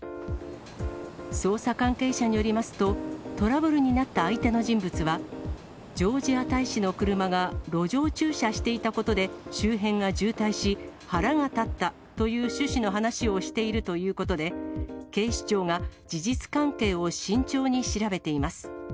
捜査関係者によりますと、トラブルになった相手の人物は、ジョージア大使の車が路上駐車していたことで、周辺が渋滞し、腹が立ったという趣旨の話をしているということで、警視庁が事実関係を慎重に調べています。